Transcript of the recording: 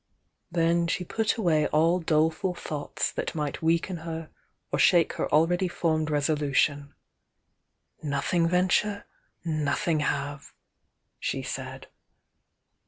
Then, she put away all doleful thoughts that might weaken her or shake her already formed resolu tion: — "Nothing venture, nothing have!" she said.